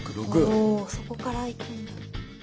おそこからいくんだ。